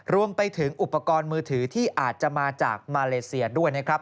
รวมไปถึงอุปกรณ์มือถือที่อาจจะมาจากมาเลเซียด้วยนะครับ